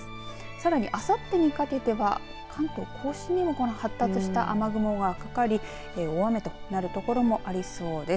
さらにあさってにかけては関東甲信にもこの発達した雨雲がかかり大雨となるところもありそうです。